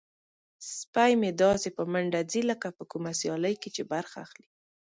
سپی مې داسې په منډه ځي لکه په کومه سیالۍ کې چې برخه اخلي.